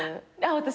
私？